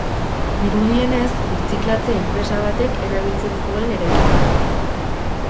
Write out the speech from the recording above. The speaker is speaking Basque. Dirudienez, birziklatze enpresa batek erabiltzen zuen eraikina.